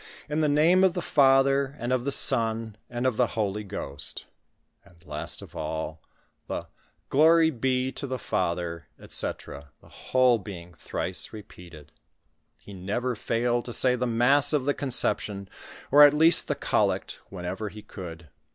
lu the name of the Father, and of the Son, ond of the Holy Ghost," and lost of all the "Glory bo to the Father," «fec., the whole being thrice rcpoatod. lie never failed to say the mast* of the Conception, or at least the collect, whenever ho could